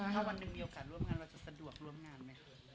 ถ้าวันหนึ่งมีโอกาสร่วมงานเราจะสะดวกร่วมงานไหม